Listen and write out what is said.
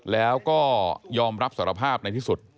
แล้วก็ยอมรับสารภาพในที่สุด